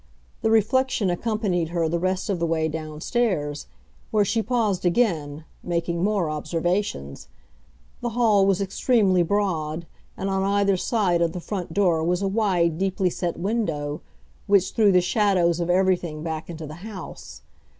The reflection accompanied her the rest of the way downstairs, where she paused again, making more observations. The hall was extremely broad, and on either side of the front door was a wide, deeply set window, which threw the shadows of everything back into the house.